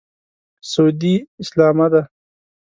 سعودي اسلامه دی.